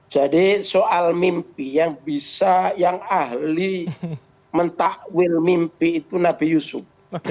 jadi soal mimpi yang bisa yang ahli mentakwil mimpi itu nabi yusuf